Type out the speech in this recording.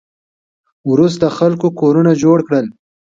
وروسته خلکو کورونه جوړ کړل